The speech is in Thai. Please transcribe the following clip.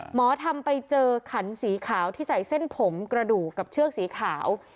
หมอทำไปเจอขันสีขาวที่ใส่เส้นผมกระดูกกับเชือกสีขาว